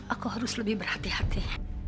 aku harus lebih berhati hati